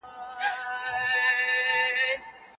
ځینې خلک تر فشار لاندې لږ خوري.